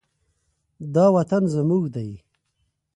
دا وطن زموږ دی.